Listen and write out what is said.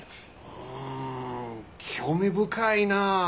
うん興味深いな。